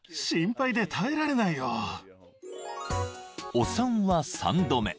［お産は三度目。